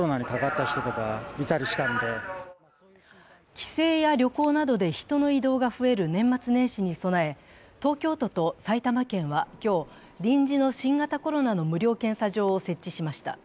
帰省や旅行などで人の移動が増える年末年始に備え東京都と埼玉県は今日、臨時の新型コロナの無料検査場を設置しました。